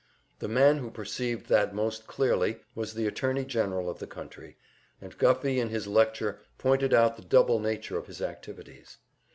The man who perceived that most clearly was the Attorney General of the country, and Guffey in his lecture pointed out the double nature of his activities.